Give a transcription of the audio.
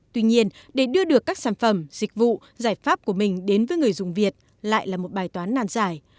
tuy nhiên để đưa được các sản phẩm dịch vụ giải pháp của mình đến với người dùng việt lại là một bài toán nan giải